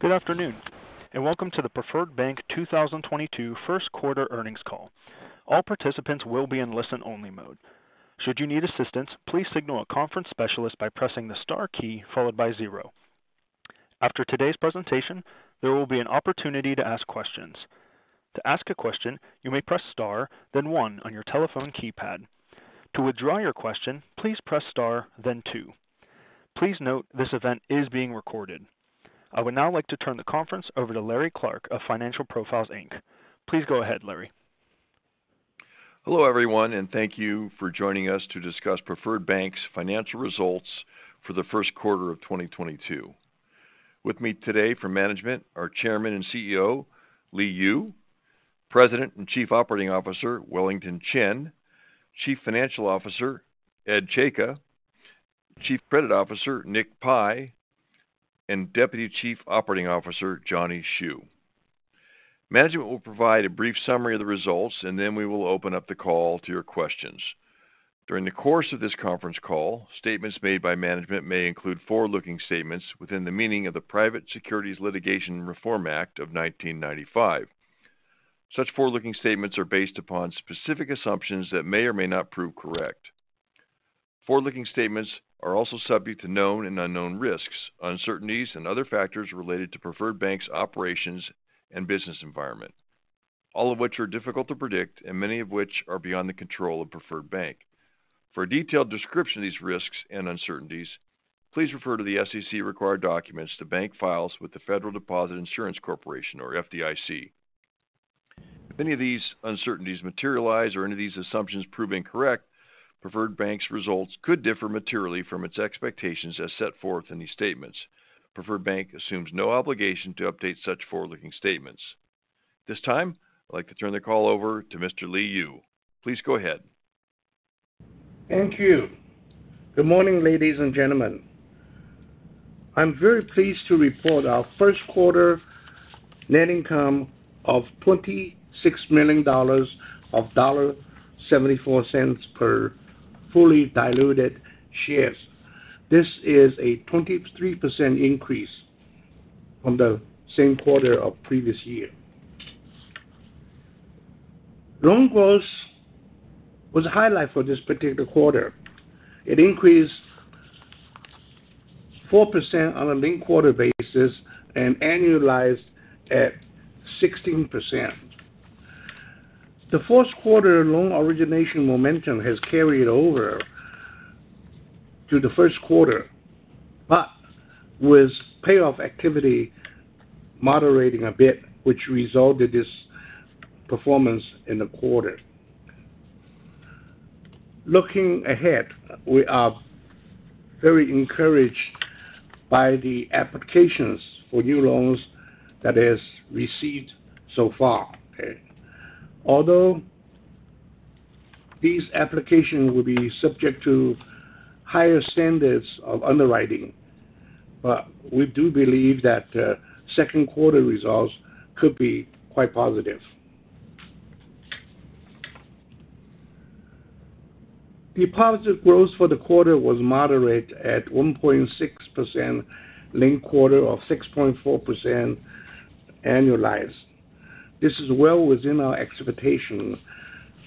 Good afternoon, and welcome to the Preferred Bank 2022 first quarter earnings call. All participants will be in listen-only mode. Should you need assistance, please signal a conference specialist by pressing the star key followed by zero. After today's presentation, there will be an opportunity to ask questions. To ask a question, you may press star then one on your telephone keypad. To withdraw your question, please press star then two. Please note this event is being recorded. I would now like to turn the conference over to Larry Clark of Financial Profiles, Inc. Please go ahead, Larry. Hello, everyone, and thank you for joining us to discuss Preferred Bank's financial results for the first quarter of 2022. With me today from management, our Chairman and CEO, Li Yu, President and Chief Operating Officer, Wellington Chen, Chief Financial Officer, Ed Czajka, Chief Credit Officer, Nick Pi, and Deputy Chief Operating Officer, Johnny Hsu. Management will provide a brief summary of the results, and then we will open up the call to your questions. During the course of this conference call, statements made by management may include forward-looking statements within the meaning of the Private Securities Litigation Reform Act of 1995. Such forward-looking statements are based upon specific assumptions that may or may not prove correct. Forward-looking statements are also subject to known and unknown risks, uncertainties and other factors related to Preferred Bank's operations and business environment, all of which are difficult to predict and many of which are beyond the control of Preferred Bank. For a detailed description of these risks and uncertainties, please refer to the SEC required documents the bank files with the Federal Deposit Insurance Corporation or FDIC. If any of these uncertainties materialize or any of these assumptions prove incorrect, Preferred Bank's results could differ materially from its expectations as set forth in these statements. Preferred Bank assumes no obligation to update such forward-looking statements. This time, I'd like to turn the call over to Mr. Li Yu. Please go ahead. Thank you. Good morning, ladies and gentlemen. I'm very pleased to report our first quarter net income of $26 million or $1.74 per fully diluted share. This is a 23% increase from the same quarter of previous year. Loan growth was a highlight for this particular quarter. It increased 4% on a linked quarter basis and annualized at 16%. The fourth quarter loan origination momentum has carried over to the first quarter, but with payoff activity moderating a bit, which resulted in this performance in the quarter. Looking ahead, we are very encouraged by the applications for new loans that we have received so far. Although these applications will be subject to higher standards of underwriting, we do believe that second quarter results could be quite positive. Deposit growth for the quarter was moderate at 1.6% linked quarter, or 6.4% annualized. This is well within our expectations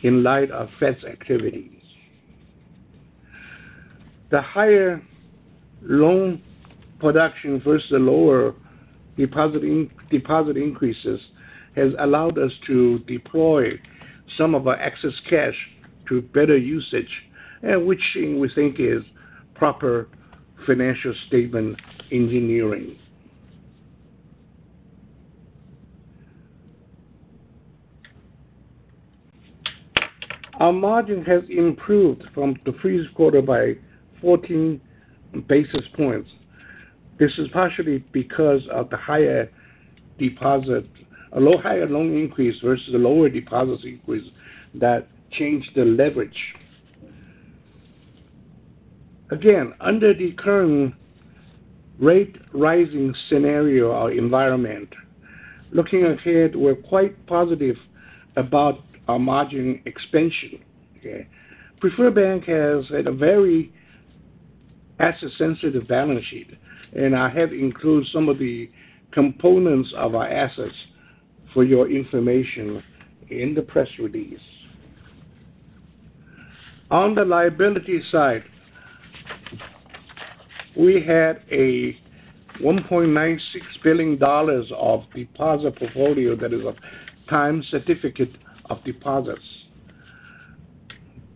in light of Fed's activities. The higher loan production versus the lower deposit increases has allowed us to deploy some of our excess cash to better usage, and which we think is proper financial statement engineering. Our margin has improved from the previous quarter by 14 basis points. This is partially because of the higher deposit also higher loan increase versus the lower deposit increase that changed the leverage. Again, under the current rate-rising scenario or environment, looking ahead, we're quite positive about our margin expansion, okay? Preferred Bank has a very asset-sensitive balance sheet, and I have included some of the components of our assets for your information in the press release. On the liability side, we had a $1.96 billion deposit portfolio that is of time certificates of deposit.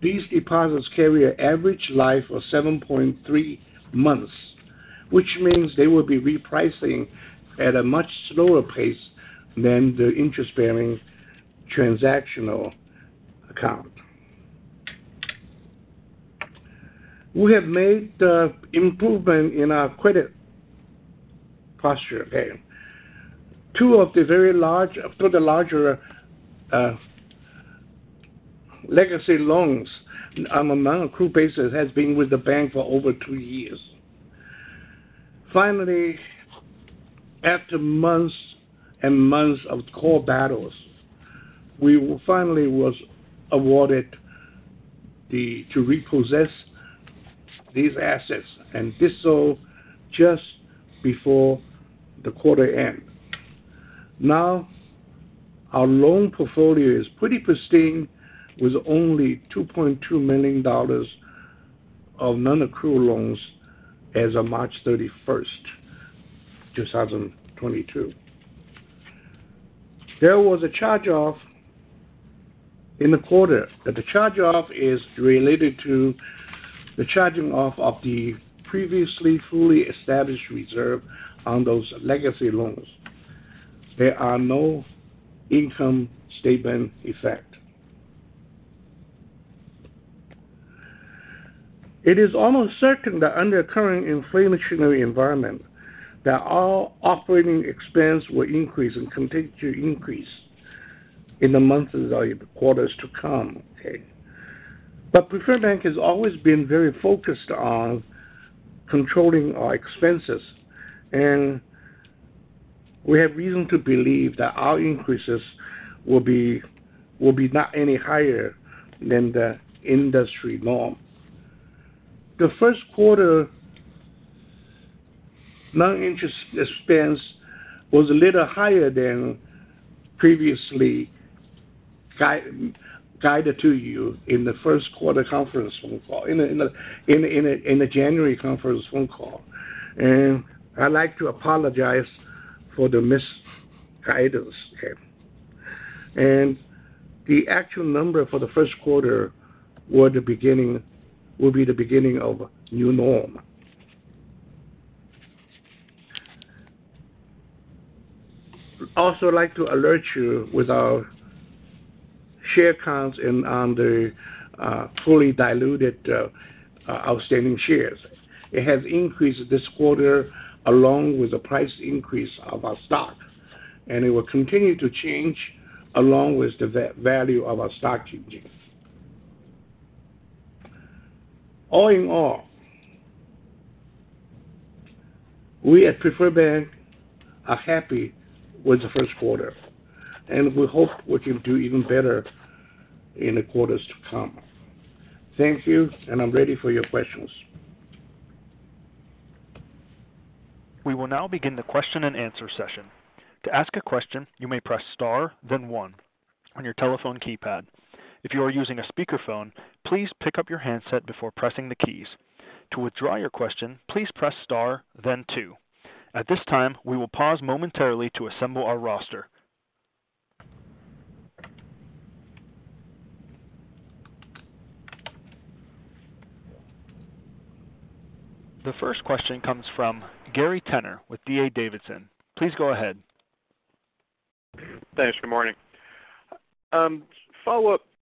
These deposits carry an average life of 7.3 months, which means they will be repricing at a much slower pace than the interest-bearing transactional account. We have made improvement in our credit posture. Two of the larger legacy loans on nonaccrual basis has been with the bank for over two years. Finally, after months and months of court battles, we finally was awarded the right to repossess these assets, and this was just before the quarter end. Now our loan portfolio is pretty pristine with only $2.2 million of non-accrual loans as of March 31st, 2022. There was a charge-off in the quarter, but the charge-off is related to the charging off of the previously fully established reserve on those legacy loans. There are no income statement effect. It is almost certain that under current inflationary environment that our operating expense will increase and continue to increase in the months and the quarters to come, okay. Preferred Bank has always been very focused on controlling our expenses, and we have reason to believe that our increases will be not any higher than the industry norm. The first quarter non-interest expense was a little higher than previously guided to you in the first quarter conference phone call in the January conference phone call. I like to apologize for the misguidance, okay. The actual number for the first quarter will be the beginning of a new norm. I also like to alert you with our share counts and on the fully diluted outstanding shares. It has increased this quarter along with the price increase of our stock, and it will continue to change along with the value of our stock changes. All in all, we at Preferred Bank are happy with the first quarter, and we hope we can do even better in the quarters to come. Thank you, and I'm ready for your questions. We will now begin the question and answer session. To ask a question, you may press star, then one on your telephone keypad. If you are using a speakerphone, please pick up your handset before pressing the keys. To withdraw your question, please press star then two. At this time, we will pause momentarily to assemble our roster. The first question comes from Gary Tenner with D.A. Davidson. Please go ahead. Thanks. Good morning.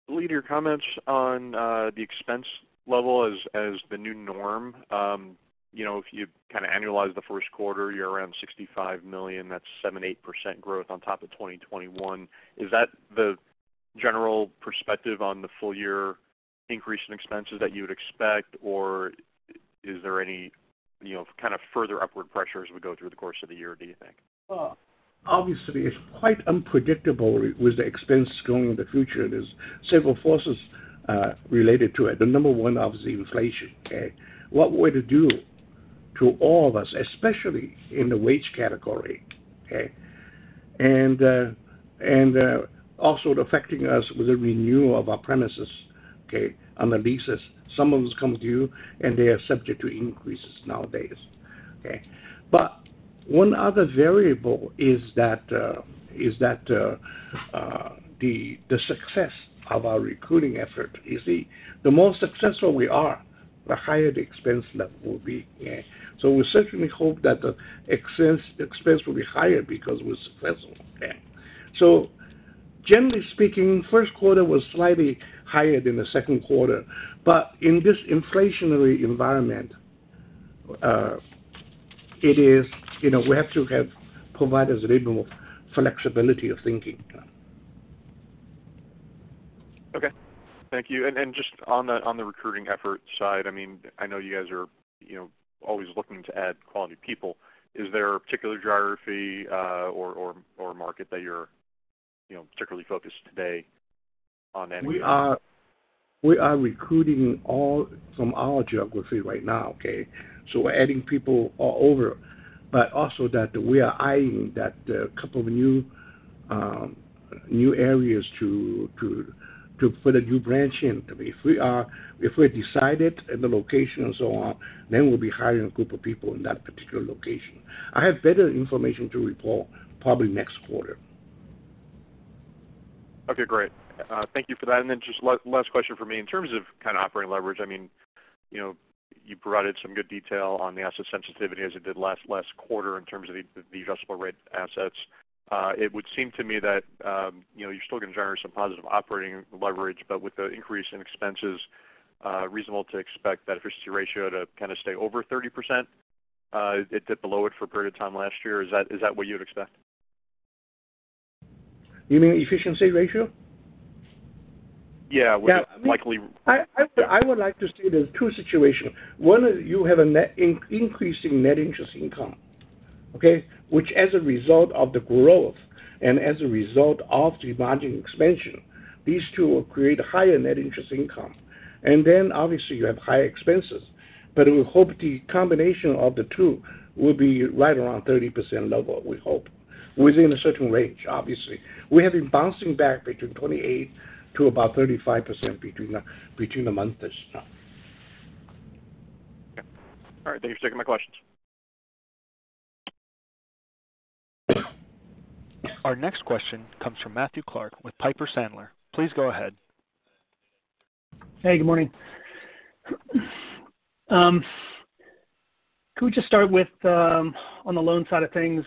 Follow-up leading to your comments on the expense level as the new norm. You know, if you kind of annualize the first quarter, you're around $65 million, that's 7%-8% growth on top of 2021. Is that the general perspective on the full year increase in expenses that you would expect? Or is there any, you know, kind of further upward pressures we go through the course of the year, do you think? Well, obviously it's quite unpredictable with the expense going in the future. There's several forces related to it. The number one, obviously inflation. What it will do to all of us, especially in the wage category. And also affecting us with the renewal of our premises. On the leases. Some of them come due, and they are subject to increases nowadays. One other variable is that the success of our recruiting effort. You see, the more successful we are, the higher the expense level will be. We certainly hope that the expense will be higher because we're successful. Generally speaking, first quarter was slightly higher than the second quarter. In this inflationary environment, it is, you know, we have to have a little more flexibility of thinking. Okay. Thank you. Just on the recruiting effort side, I mean I know you guys are, you know, always looking to add quality people. Is there a particular geography, or market that you're, you know, particularly focused today on any- We are recruiting all from our geography right now, okay? We're adding people all over, but also that we are eyeing a couple of new areas to put a new branch in. If we decided in the location and so on, then we'll be hiring a group of people in that particular location. I have better information to report probably next quarter. Okay, great. Thank you for that. Then just last question for me. In terms of kind of operating leverage, I mean, you know, you provided some good detail on the asset sensitivity as it did last quarter in terms of the adjustable rate assets. It would seem to me that, you know, you're still gonna generate some positive operating leverage, but with the increase in expenses, reasonable to expect that efficiency ratio to kind of stay over 30%. It dipped below it for a period of time last year. Is that what you'd expect? You mean efficiency ratio? Yeah. I would like to say there are two situations. One is you have a net increase in net interest income. Okay? Which as a result of the growth, and as a result of the margin expansion, these two will create higher net interest income. Obviously you have higher expenses. We hope the combination of the two will be right around 30% level, we hope, within a certain range, obviously. We have been bouncing back between 28%-about 35% between the months this time. All right. Thank you for taking my questions. Our next question comes from Matthew Clark with Piper Sandler. Please go ahead. Hey, good morning. Could we just start with, on the loan side of things,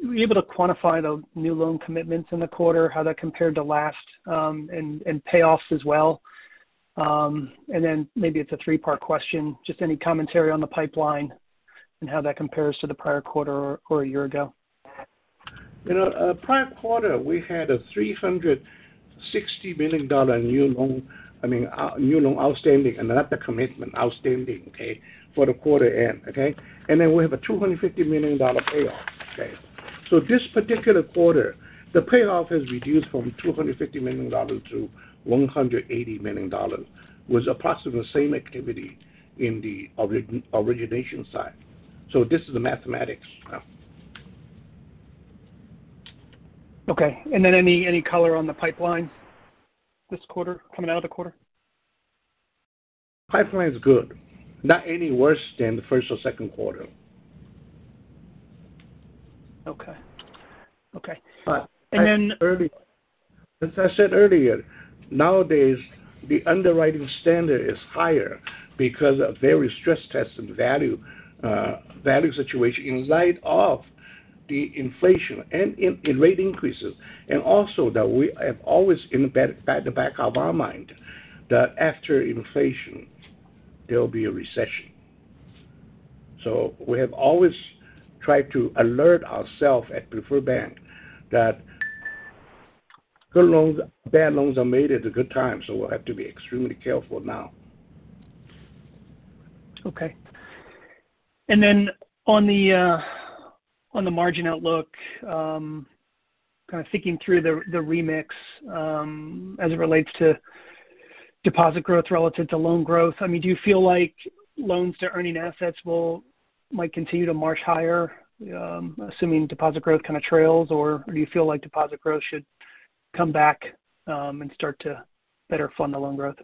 you able to quantify the new loan commitments in the quarter, how that compared to last, and payoffs as well? Maybe it's a three-part question, just any commentary on the pipeline and how that compares to the prior quarter or a year ago. You know, prior quarter, we had a $360 million new loan outstanding, and not the commitment, outstanding, okay, for quarter end, okay? Then we have a $250 million payoff, okay. This particular quarter, the payoff has reduced from $250 million to $180 million, with approximately the same activity in the origination side. This is the mathematics. Okay. Any color on the pipeline this quarter coming out of the quarter? Pipeline is good. Not any worse than the first or second quarter. Okay. Okay. But- And then- As I said earlier, nowadays the underwriting standard is higher because of various stress testing, valuation situation in light of the inflation and in rate increases, and also that we have always in the back of our mind that after inflation there will be a recession. We have always tried to alert ourselves at Preferred Bank that good loans, bad loans are made at a good time, so we'll have to be extremely careful now. Okay. On the margin outlook, kind of thinking through the remix, as it relates to deposit growth relative to loan growth, I mean, do you feel like loans to earning assets might continue to march higher, assuming deposit growth kind of trails? Or do you feel like deposit growth should come back, and start to better fund the loan growth?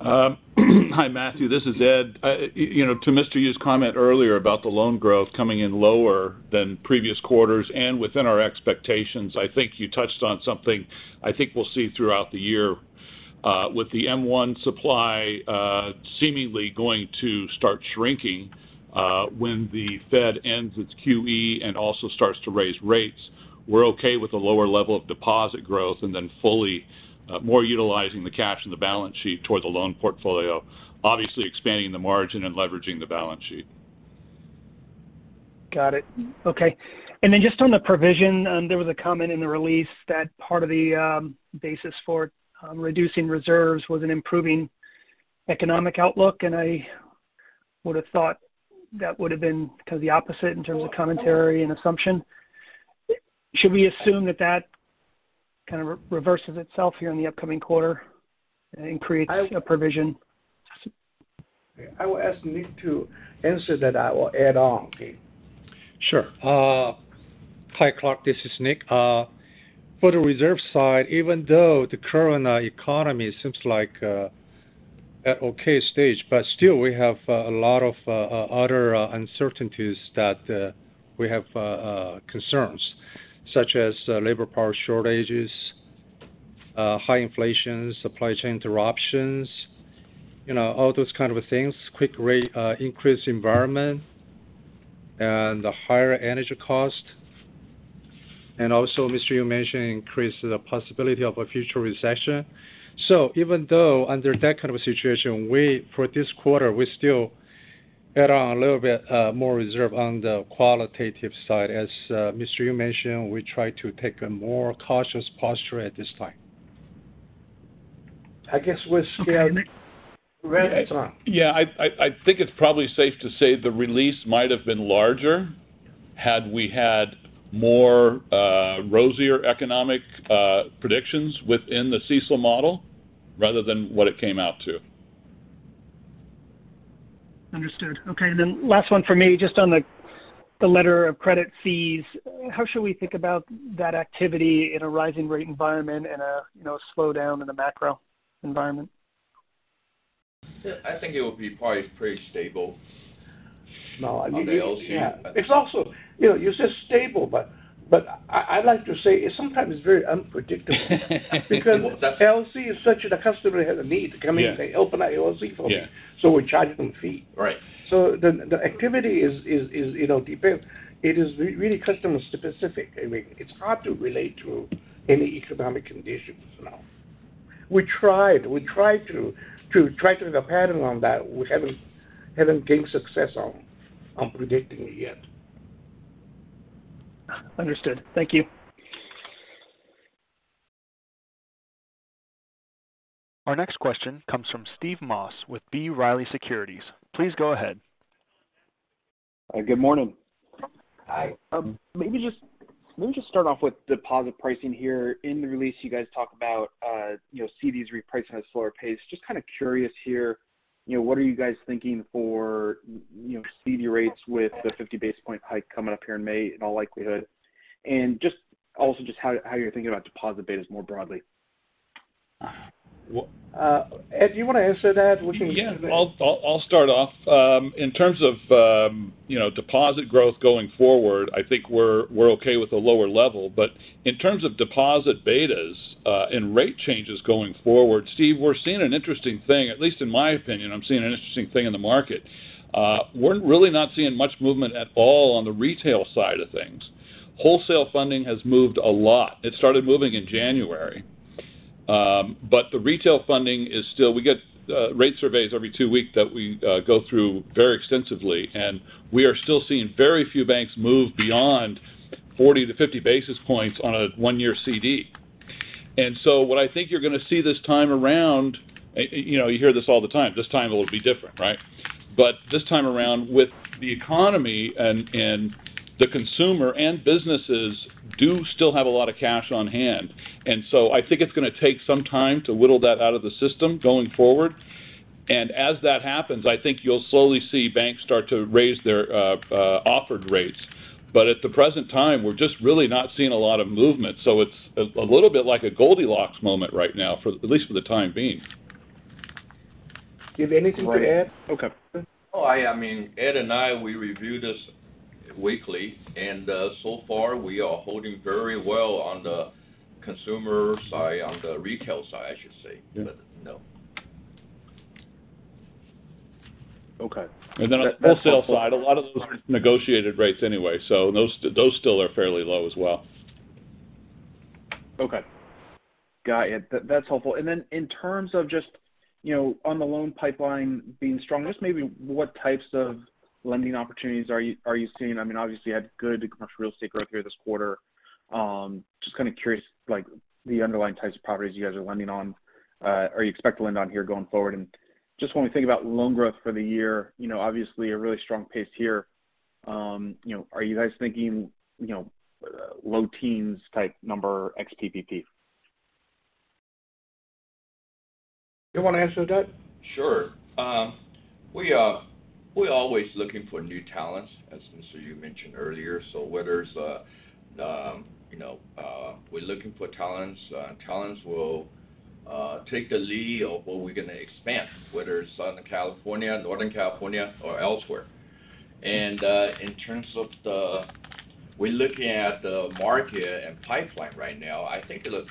Hi, Matthew. This is Ed. You know, to Mr. Yu's comment earlier about the loan growth coming in lower than previous quarters and within our expectations, I think you touched on something I think we'll see throughout the year. With the M1 supply seemingly going to start shrinking when the Fed ends its QE and also starts to raise rates, we're okay with the lower level of deposit growth and then fully more utilizing the cash in the balance sheet towards the loan portfolio, obviously expanding the margin and leveraging the balance sheet. Got it. Okay. Just on the provision, there was a comment in the release that part of the basis for reducing reserves was an improving economic outlook, and I would have thought that would have been kind of the opposite in terms of commentary and assumption. Should we assume that kind of reverses itself here in the upcoming quarter and creates? I would- a provision? I will ask Nick to answer that. I will add on. Okay? Sure. Hi, Clark, this is Nick. For the reserve side, even though the current economy seems like at okay stage, but still we have a lot of other uncertainties that we have concerns such as labor power shortages, high inflation, supply chain interruptions, you know, all those kind of things, quick rate increase environment and the higher energy cost. Mr. Yu mentioned increase the possibility of a future recession. Even though under that kind of situation, we for this quarter we still add on a little bit more reserve on the qualitative side. As Mr. Yu mentioned, we try to take a more cautious posture at this time. I guess we're scared. Okay, Nick. Go ahead, I'm sorry. Yeah, I think it's probably safe to say the release might have been larger had we had more rosier economic predictions within the CECL model rather than what it came out to. Understood. Okay. Last one for me, just on the letter of credit fees, how should we think about that activity in a rising rate environment and a you know slowdown in the macro environment? I think it would be probably pretty stable. No, I mean. On the LC. Yeah. It's also. You know, you said stable, but I'd like to say it sometimes it's very unpredictable. Because LC is such that a customer has a need to come in. Yeah. To open a LC for me. Yeah. We charge them fee. Right. The activity is, you know, depends. It is really customer specific. I mean, it's hard to relate to any economic conditions now. We tried to track the pattern on that. We haven't gained success on predicting it yet. Understood. Thank you. Our next question comes from Steve Moss with B. Riley Securities. Please go ahead. Good morning. Hi. Let me just start off with deposit pricing here. In the release you guys talk about, you know, CDs repricing at a slower pace. Just kind of curious here, you know, what are you guys thinking for, you know, CD rates with the 50 basis point hike coming up here in May in all likelihood. Also just how you're thinking about deposit betas more broadly. Well, Ed, do you want to answer that? What's your- Yeah. I'll start off. In terms of, you know, deposit growth going forward, I think we're okay with the lower level. In terms of deposit betas and rate changes going forward, Steve, we're seeing an interesting thing. At least in my opinion, I'm seeing an interesting thing in the market. We're really not seeing much movement at all on the retail side of things. Wholesale funding has moved a lot. It started moving in January. The retail funding is still. We get rate surveys every two weeks that we go through very extensively, and we are still seeing very few banks move beyond 40-50 basis points on a one-year CD. What I think you're gonna see this time around, you know, you hear this all the time, this time it will be different, right? This time around, with the economy and the consumer and businesses do still have a lot of cash on hand. I think it's gonna take some time to whittle that out of the system going forward. As that happens, I think you'll slowly see banks start to raise their offered rates. At the present time, we're just really not seeing a lot of movement. It's a little bit like a Goldilocks moment right now for at least the time being. Do you have anything to add, Mr. Yu? Okay. I mean, Ed and I, we review this weekly, and so far we are holding very well on the consumer side, on the retail side, I should say. Yeah. No. Okay. On the wholesale side, a lot of those are negotiated rates anyway, so those still are fairly low as well. Okay. Got it. That's helpful. Then in terms of just, you know, on the loan pipeline being strong, just maybe what types of lending opportunities are you seeing? I mean, obviously you had good Commercial Real Estate growth here this quarter. Just kind of curious, like the underlying types of properties you guys are lending on, or you expect to lend on here going forward. Just when we think about loan growth for the year, you know, obviously a really strong pace here. You know, are you guys thinking, you know, low teens type number ex PPP? You wanna answer that? Sure. We're always looking for new talents, as Mr. Yu mentioned earlier. Whether it's you know we're looking for talents will take the lead of where we're gonna expand, whether it's Southern California, Northern California, or elsewhere. In terms of we're looking at the market and pipeline right now. I think in a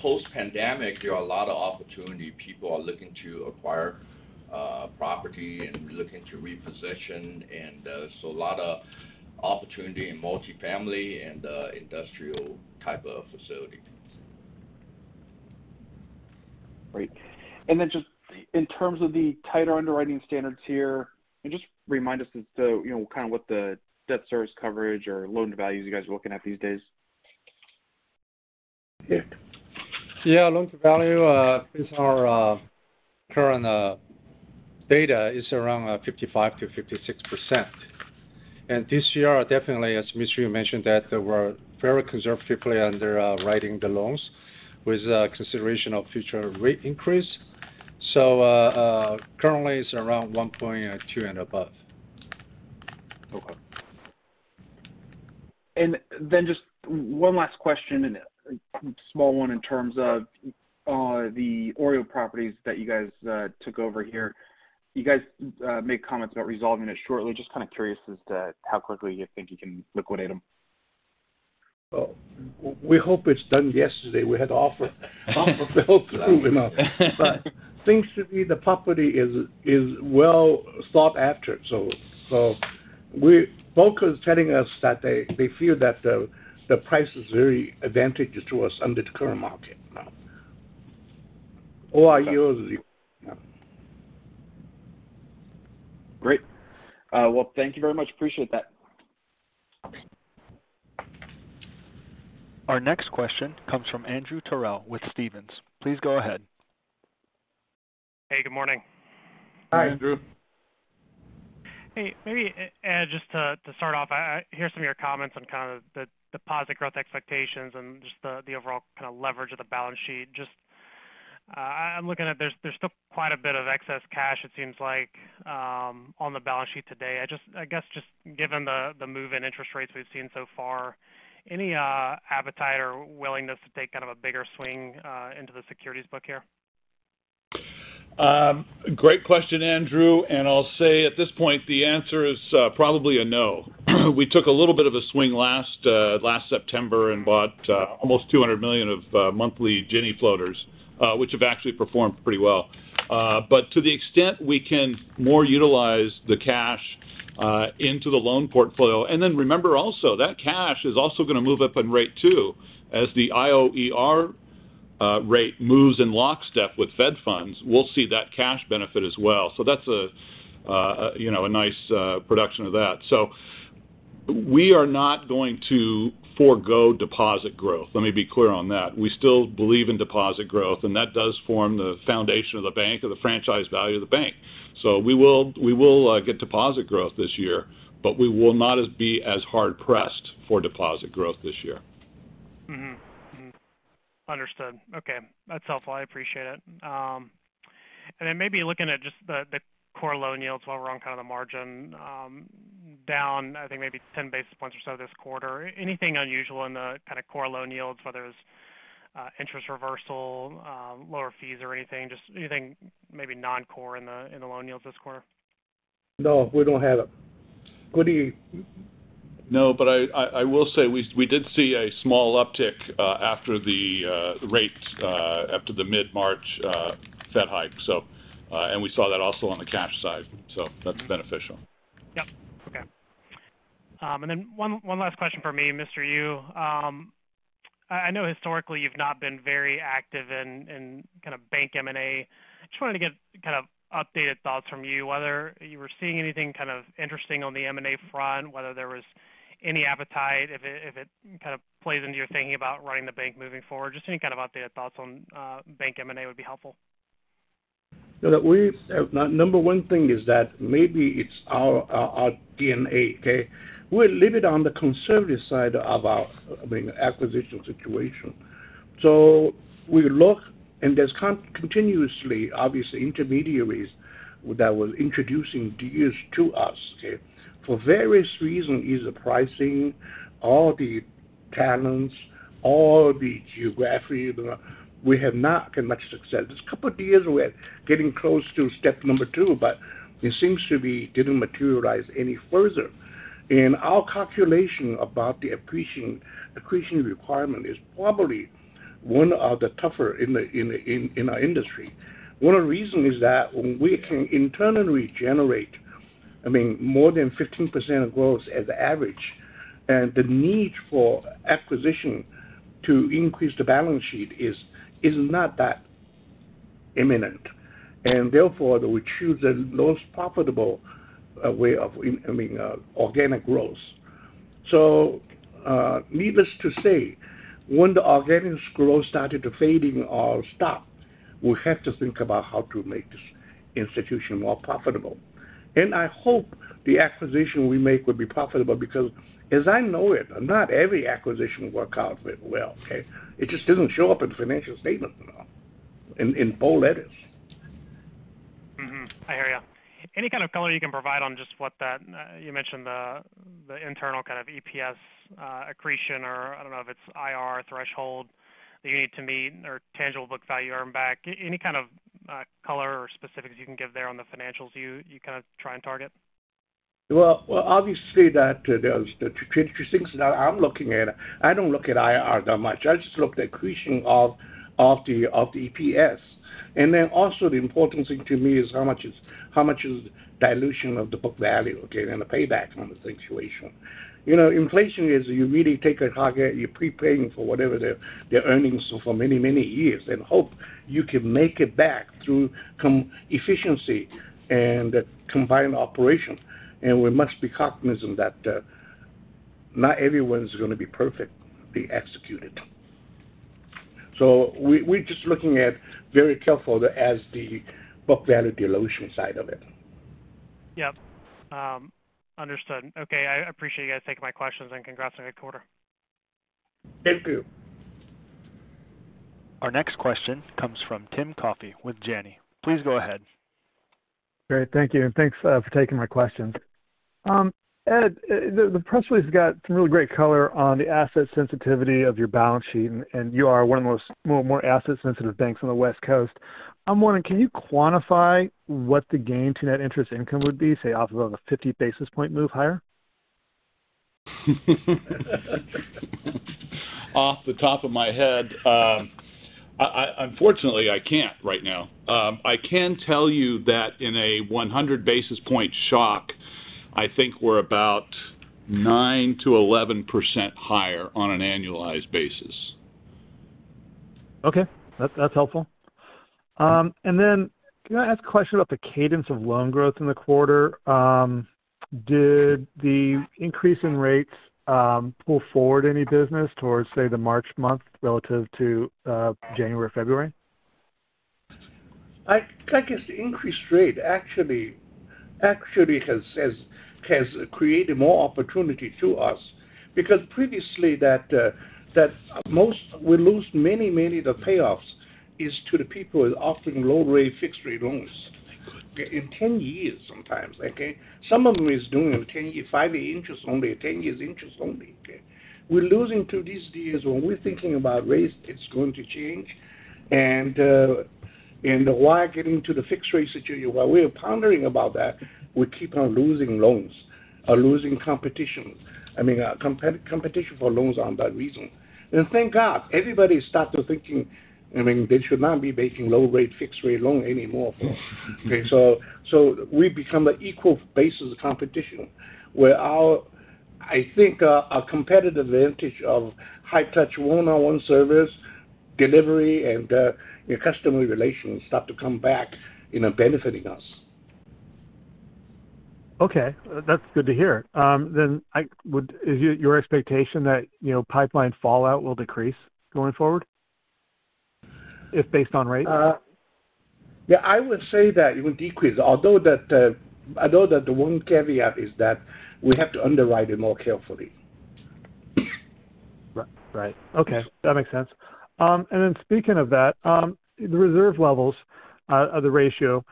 post-pandemic, there are a lot of opportunity. People are looking to acquire property and looking to reposition. A lot of opportunity in multi-family and industrial type of facilities. Great. Just in terms of the tighter underwriting standards here, just remind us as to, you know, kind of what the debt service coverage or loan to values you guys are looking at these days? Loan to value is our current data around 55%-56%. This year, definitely, as Mr. Yu mentioned that we're very conservatively underwriting the loans with consideration of future rate increase. Currently it's around 1.2 and above. Okay. Just one last question and a small one in terms of the OREO properties that you guys took over here. You guys made comments about resolving it shortly. Just kind of curious as to how quickly you think you can liquidate them. Well, we hope it's done yesterday. We had offer. The property is well sought after. Broker is telling us that they feel that the price is very advantageous to us under the current market now. Yeah. Great. Well, thank you very much. Appreciate that. Our next question comes from Andrew Terrell with Stephens. Please go ahead. Hey, good morning. Hi. Andrew. Hey. Maybe, Ed, just to start off, hear some of your comments on kind of the deposit growth expectations and just the overall kind of leverage of the balance sheet. Just, I'm looking at there's still quite a bit of excess cash it seems like, on the balance sheet today. I guess just given the move in interest rates we've seen so far, any appetite or willingness to take kind of a bigger swing into the securities book here? Great question, Andrew, and I'll say at this point the answer is probably a no. We took a little bit of a swing last September and bought almost $200 million of monthly Ginnie floaters, which have actually performed pretty well. To the extent we can more utilize the cash into the loan portfolio. Remember also, that cash is also gonna move up in rate too. As the IOER rate moves in lockstep with Fed funds, we'll see that cash benefit as well. That's a you know, a nice production of that. We are not going to forgo deposit growth. Let me be clear on that. We still believe in deposit growth, and that does form the foundation of the bank or the franchise value of the bank. We will get deposit growth this year, but we will not be as hard pressed for deposit growth this year. Mm-hmm. Mm-hmm. Understood. Okay. That's helpful. I appreciate it. Maybe looking at just the core loan yields while we're on kind of the margin, down I think maybe 10 basis points or so this quarter. Anything unusual in the kind of core loan yields, whether it's interest reversal, lower fees or anything, just anything maybe non-core in the loan yields this quarter? No, we don't have it. Good to you. No, but I will say we did see a small uptick after the rates after the mid-March Fed hike. We saw that also on the cash side. That's beneficial. Yep. Okay. One last question from me, Mr. Yu. I know historically you've not been very active in kind of bank M&A. Just wanted to get kind of updated thoughts from you, whether you were seeing anything kind of interesting on the M&A front, whether there was any appetite, if it kind of plays into your thinking about running the bank moving forward. Just any kind of updated thoughts on bank M&A would be helpful. Yeah. Number one thing is that maybe it's our DNA, okay? We live it on the conservative side of our, I mean, acquisition situation. We look and there's continuously obviously intermediaries that was introducing deals to us, okay? For various reason, either pricing or the talents or the geography. We have not got much success. There's a couple deals we're getting close to step number two, but it seems to be didn't materialize any further. Our calculation about the accretion requirement is probably one of the tougher in our industry. One of the reason is that when we can internally generate, I mean, more than 15% of growth as average, and the need for acquisition to increase the balance sheet is not that imminent, and therefore we choose the most profitable way of in I mean, organic growth. Needless to say, when the organic growth started fading or stop, we have to think about how to make this institution more profitable. I hope the acquisition we make will be profitable because as I know it, not every acquisition work out very well, okay? It just doesn't show up in financial statement enough in bold letters. Mm-hmm. I hear you. Any kind of color you can provide on just what that you mentioned the internal kind of EPS accretion or I don't know if it's IRR threshold that you need to meet or tangible book value earn back. Any kind of color or specifics you can give there on the financials you kind of try and target? Well, obviously there's the two things that I'm looking at. I don't look at IRR that much. I just look at accretion of the EPS. Then also the important thing to me is how much is dilution of the book value, okay? The payback on the situation. You know, in an acquisition you really take a target, you're prepaying for whatever the earnings for many years and hope you can make it back through combined efficiency and combined operation. We must be cognizant that not everyone's gonna be perfectly executed. We're just looking very carefully at the book value dilution side of it. Yep. Understood. Okay. I appreciate you guys taking my questions and congrats on a good quarter. Thank you. Our next question comes from Tim Coffey with Janney. Please go ahead. Great. Thank you, and thanks for taking my questions. Ed, the press release has got some really great color on the asset sensitivity of your balance sheet, and you are one of the more asset sensitive banks on the West Coast. I'm wondering, can you quantify what the gain to net interest income would be, say off of a 50 basis point move higher? Off the top of my head, I unfortunately can't right now. I can tell you that in a 100 basis point shock, I think we're about 9%-11% higher on an annualized basis. Okay. That's helpful. Can I ask a question about the cadence of loan growth in the quarter? Did the increase in rates pull forward any business towards, say, the March month relative to January, February? I guess the increased rate actually has created more opportunity to us because previously that most we lose many the payoffs is to the people offering low rate fixed rate loans. In 10 years sometimes, okay? Some of them is doing a 10-year, five-year interest only, 10 years interest only, okay? We're losing to these deals when we're thinking about rates, it's going to change. Why getting to the fixed rate situation, while we are pondering about that, we keep on losing loans or losing competition. I mean, competition for loans on that reason. Thank God, everybody started thinking, I mean, they should not be making low rate fixed rate loan anymore. We become an equal basis competition where our, I think, our competitive advantage of high touch one-on-one service delivery and your customer relations start to come back, you know, benefiting us. Okay. That's good to hear. Is it your expectation that, you know, pipeline fallout will decrease going forward if based on rate? Yeah, I would say that it would decrease. Although that the one caveat is that we have to underwrite it more carefully. Right. Okay. That makes sense. Speaking of that, the reserve levels of the ratio,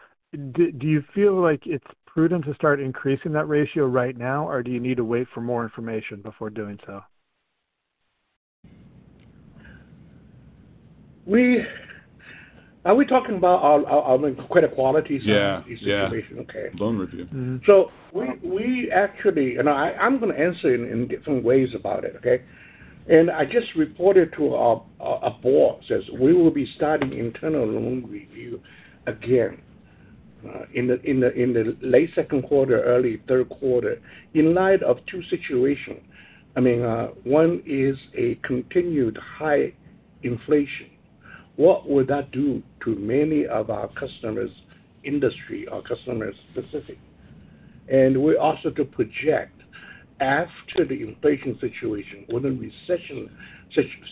do you feel like it's prudent to start increasing that ratio right now, or do you need to wait for more information before doing so? Are we talking about our credit quality? Yeah. Yeah Okay. Loan review. Mm-hmm. We actually. I'm gonna answer in different ways about it, okay? I just reported to our board says we will be starting internal loan review again in the late second quarter, early third quarter in light of two situations. I mean, one is a continued high inflation. What would that do to many of our customers' industry or customers specific? We also to project after the inflation situation, when the recession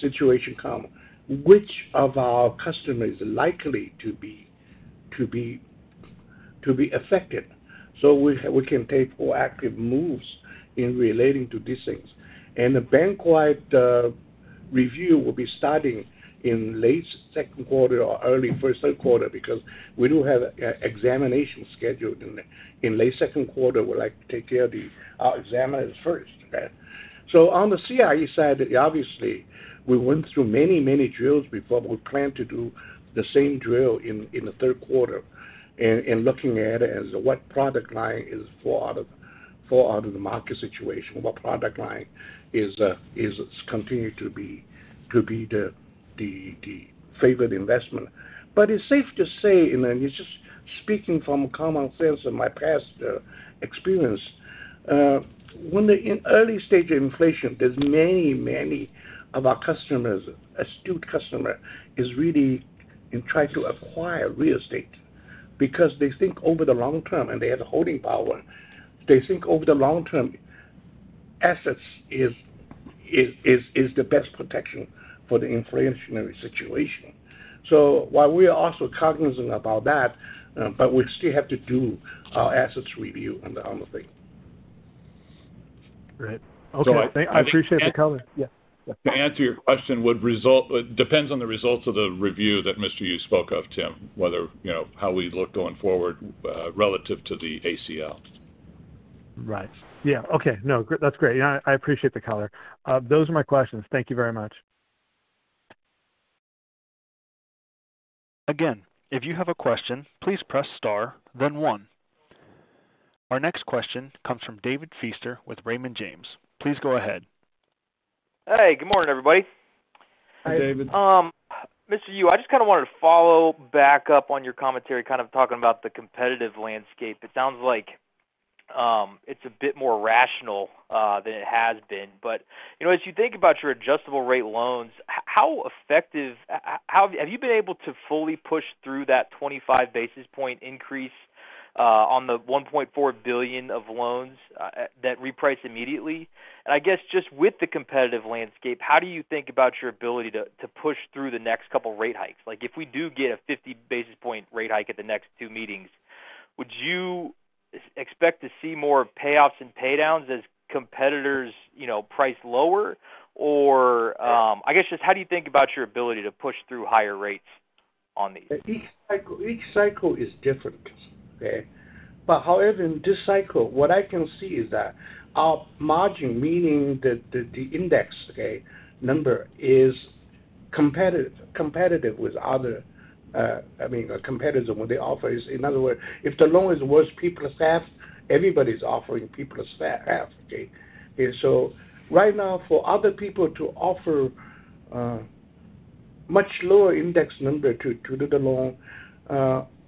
situation come, which of our customers likely to be affected? We can take proactive moves in relating to these things. The bank-wide review will be starting in late second quarter or early third quarter because we do have examination scheduled in late second quarter. We'd like to take care of our examiners first. On the CRE side, obviously, we went through many drills before. We plan to do the same drill in the third quarter and looking at it as what product line is fall out of the market situation. What product line is continued to be the favored investment. It's safe to say, and then it's just speaking from common sense in my past experience, when in early stage of inflation, there's many of our customers, astute customer, is really in trying to acquire real estate because they think over the long term and they have the holding power, they think over the long term, assets is the best protection for the inflationary situation. While we are also cognizant about that, but we still have to do our assets review on the thing. Great. Okay. So I think- I appreciate the color. Yeah. Depends on the results of the review that Mr. Yu spoke of, Tim, whether, you know, how we look going forward, relative to the ACL. Right. Yeah. Okay. No, that's great. I appreciate the color. Those are my questions. Thank you very much. Again, if you have a question, please press star, then one. Our next question comes from David Feaster with Raymond James. Please go ahead. Hey, good morning, everybody. Hi, David. Mr. Yu, I just kinda wanted to follow back up on your commentary, kind of talking about the competitive landscape. It sounds like it's a bit more rational than it has been. You know, as you think about your adjustable rate loans, how effective have you been able to fully push through that 25 basis point increase on the $1.4 billion of loans that reprice immediately? I guess just with the competitive landscape, how do you think about your ability to push through the next couple rate hikes? Like, if we do get a 50 basis point rate hike at the next two meetings, would you expect to see more payoffs and pay downs as competitors price lower? I guess just how do you think about your ability to push through higher rates on these? Each cycle is different, okay? However, in this cycle, what I can see is that our margin, meaning the index, okay, number is competitive with other, I mean, competitive when the offer is prime plus half. In other words, if the loan is worth prime plus half, everybody's offering prime plus half, okay? Right now, for other people to offer much lower index number to do the loan,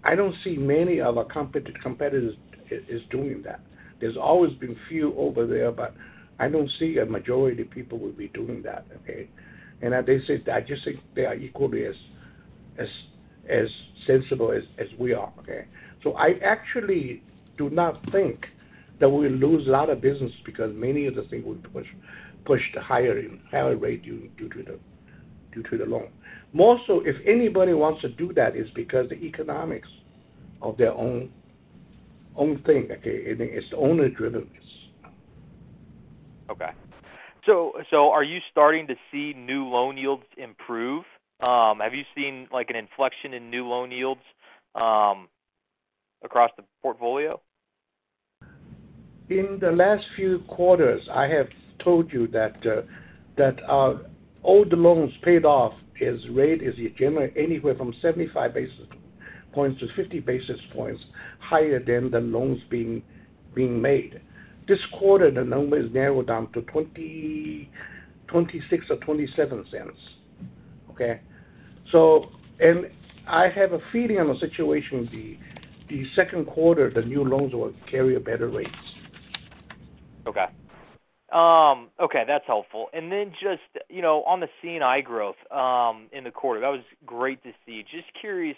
I don't see many of our competent competitors is doing that. There's always been few over there, but I don't see a majority of people will be doing that, okay? As they say, I just think they are equally as sensible as we are, okay? I actually do not think that we'll lose a lot of business because many of the things will push the higher rate due to the loan. More so, if anybody wants to do that, it's because the economics of their own thing, okay? I mean, it's owner-driven. Okay. Are you starting to see new loan yields improve? Have you seen, like, an inflection in new loan yields across the portfolio? In the last few quarters, I have told you that our old loans payoff rate is generally anywhere from 75 basis points-50 basis points higher than the loans being made. This quarter, the number is narrowed down to 26 or 27 cents, okay? I have a feeling on the situation, the second quarter, the new loans will carry a better rates. Okay, that's helpful. Just, you know, on the C&I growth in the quarter, that was great to see. Just curious,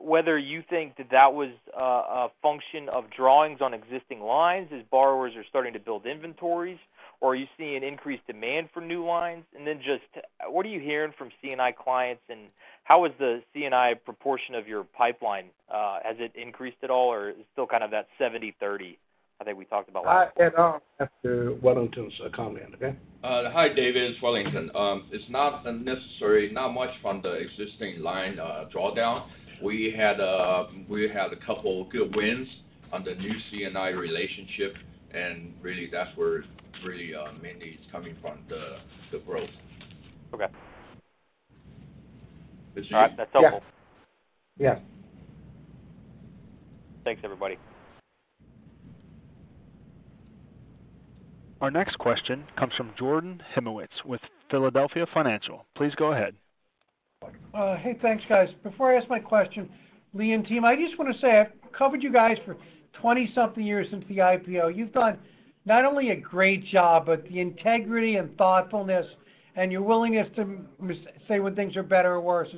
whether you think that was a function of drawings on existing lines as borrowers are starting to build inventories, or are you seeing increased demand for new lines? Just what are you hearing from C&I clients and how is the C&I proportion of your pipeline? Has it increased at all or still kind of that 70/30 I think we talked about last time? Ed, after Wellington's comment. Okay? Hi, David. It's Wellington. It's not necessary, not much from the existing line drawdown. We had a couple good wins on the new C&I relationship, and really that's where mainly it's coming from the growth. Okay. Did you- All right. That's helpful. Yeah. Yeah. Thanks, everybody. Our next question comes from Jordan Hymowitz with Philadelphia Financial. Please go ahead. Hey, thanks, guys. Before I ask my question, Li Yu and team, I just wanna say I covered you guys for 20-something years since the IPO. You've done not only a great job, but the integrity and thoughtfulness and your willingness to say when things are better or worse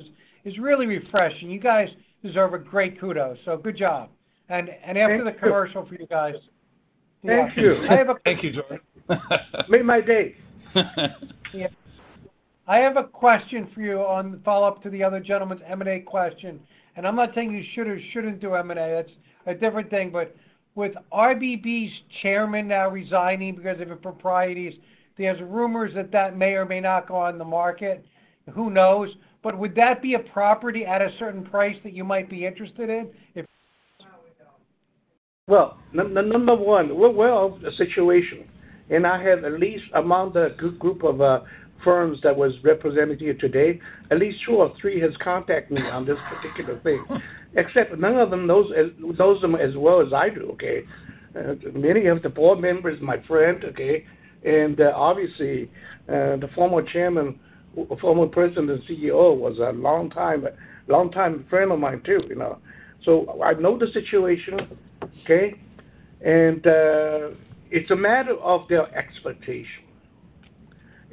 is really refreshing. You guys deserve a great kudos. Good job. And after- Thank you. the commercial for you guys. Thank you. I have a- Thank you, Jordan. Made my day. I have a question for you on the follow-up to the other gentleman's M&A question. I'm not saying you should or shouldn't do M&A, that's a different thing. With RBB's chairman now resigning because of the proprieties, there's rumors that that may or may not go on the market. Who knows? Would that be a property at a certain price that you might be interested in if- well, and I have at least among the group of firms that was represented here today, at least two or three has contacted me on this particular thing. Except none of them knows them as well as I do. Okay? Many of the board members are my friend, okay? Obviously, the former chairman, former president and CEO was a long-time friend of mine too, you know. I know the situation, okay? It's a matter of their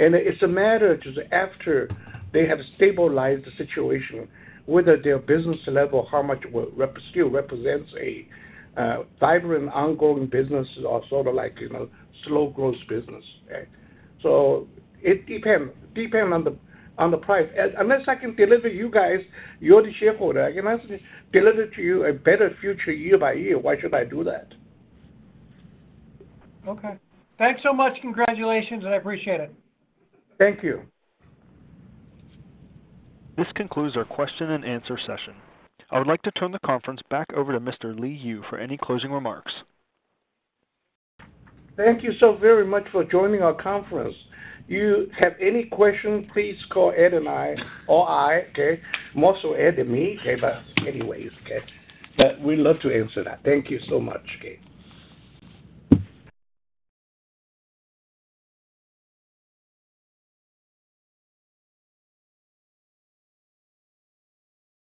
expectation. It's a matter to after they have stabilized the situation, whether their business level, how much it still represents a vibrant ongoing business or sort of like, you know, slow growth business. It depends on the price. Unless I can deliver to you guys, you're the shareholders, a better future year by year, why should I do that? Okay. Thanks so much. Congratulations, and I appreciate it. Thank you. This concludes our question and answer session. I would like to turn the conference back over to Mr. Li Yu for any closing remarks. Thank you so very much for joining our conference. If you have any question, please call Ed and I, okay? More so Ed than me, okay, but anyways, okay. We love to answer that. Thank you so much, okay.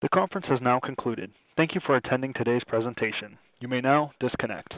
The conference has now concluded. Thank you for attending today's presentation. You may now disconnect.